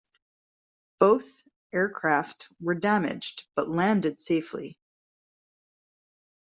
Both aircraft were damaged, but landed safely.